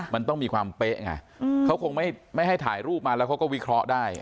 มันต้องมีความเป๊ะไงเขาคงไม่ให้ถ่ายรูปมาแล้วเขาก็วิเคราะห์ได้